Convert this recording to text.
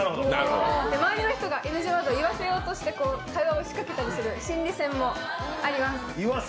周りの人がＮＧワード言わせようとして、会話を仕掛けたりする心理戦もあります。